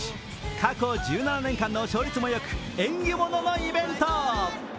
過去１７年間の勝率もよく縁起物のイベント。